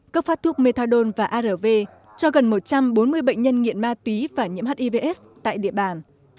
cấp phát thuốc methadone và arv cho gần một trăm bốn mươi bệnh nhân nghiện ma túy và nhiễm hivs tại địa bàn